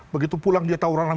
begitu pulang dia tawuran